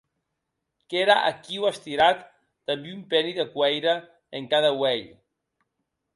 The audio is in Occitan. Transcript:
Qu’ère aquiu estirat damb un penny de coeire en cada uelh.